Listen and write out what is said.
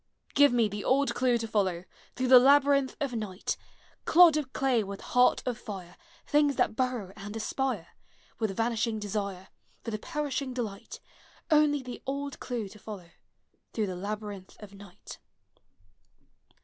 Give me the old clue to follow, Through the labyrinth of night! Clod of clay with heart of tire, Things that burrow and aspire, With the vanishing desire. For the perishing delight, — Only the old clue to follow, Through the labyrinth of night!